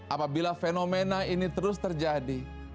apabila fenomena ini terus terjadi